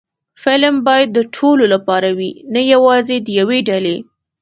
فلم باید د ټولو لپاره وي، نه یوازې د یوې ډلې